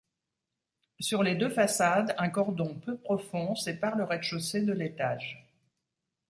Sur les deux façades, un cordon peu profond sépare le rez-de-chaussée de l'étage.